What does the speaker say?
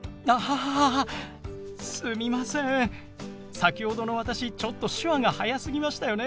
先ほどの私ちょっと手話が速すぎましたよね。